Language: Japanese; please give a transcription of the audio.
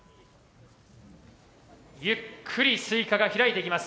ゆっくりスイカが開いていきます。